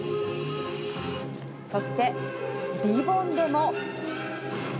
そしてリボンでも。